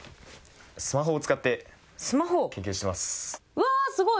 うわすごい！